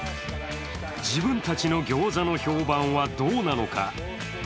自分たちの餃子の評判はどうなのか。